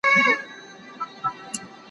که د حاسد د ضرر څخه امن موجود وو.